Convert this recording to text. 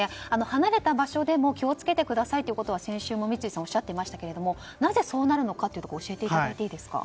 離れた場所でも気を付けてくださいということは先週も三井さんおっしゃっていましたけれどもなぜ、そうなるのかということを教えていただいていいですか？